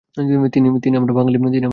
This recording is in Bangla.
তিনি আমরা বাঙালি বইয়ের লেখক।